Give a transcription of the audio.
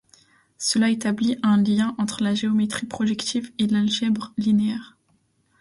Cela établit un lien entre la géométrie projective et l'algèbre linéaire.